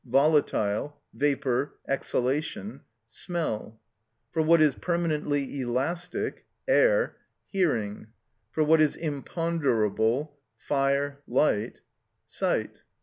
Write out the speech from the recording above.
_, volatile (vapour, exhalation), smell; for what is permanently elastic (air), hearing; for what is imponderable (fire, light), sight.